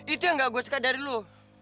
itu yang gak gue suka dari lo